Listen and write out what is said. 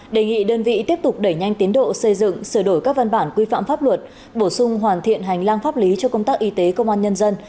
đề nghị đơn vị tiếp tục đẩy nhanh tiến độ xây dựng sửa đổi các văn bản quy phạm pháp luật bổ sung hoàn thiện hành lang pháp lý cho công tác y tế công an nhân dân